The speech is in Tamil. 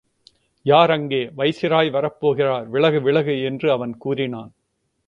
யார் அங்கே வைசிராய் வரப்போகிறார் விலகு விலகு என்று அவன் கூறினான்.